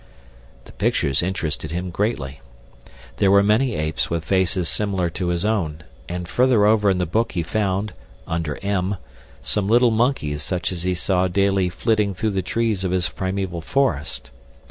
The pictures interested him greatly. There were many apes with faces similar to his own, and further over in the book he found, under "M," some little monkeys such as he saw daily flitting through the trees of his primeval forest.